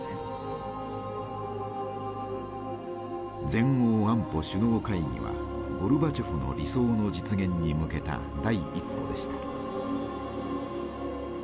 全欧安保首脳会議はゴルバチョフの理想の実現に向けた第一歩でした。